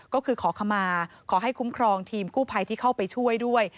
ก็คือขอขมาขอให้คุ้มครองทีมกู้ภัยที่เข้าไปช่วยด้วย